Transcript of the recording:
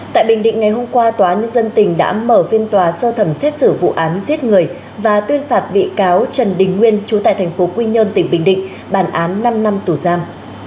tại bình định ngày hôm qua tòa nhân dân tỉnh đã mở phiên tòa sơ thẩm xét xử vụ án giết người và tuyên phạt bị cáo trần đình nguyên chú tại thành phố quy nhơn tỉnh bình định bản án năm năm tù giam